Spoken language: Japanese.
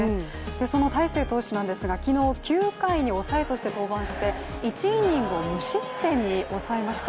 その大勢投手なんですが昨日９回に、抑えとして登板して１イニングを無失点に抑えました。